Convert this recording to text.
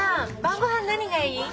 晩ご飯何がいい？